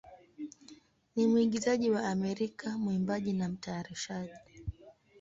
ni mwigizaji wa Amerika, mwimbaji, na mtayarishaji.